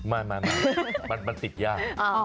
ไม่มันติดอย่าง